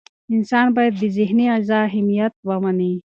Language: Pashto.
انسان باید د ذهني غذا اهمیت ومني.